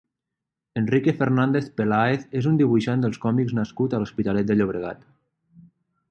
Enrique Fernández Peláez és un dibuixant de còmics nascut a l'Hospitalet de Llobregat.